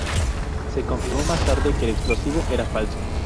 Se confirmó más tarde que el explosivo era falso.